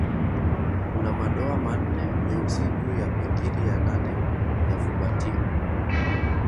Kuna madoa manne meusi juu ya pingili ya nane ya fumbatio.